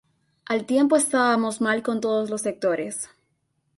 Al tiempo estábamos mal con todos los sectores.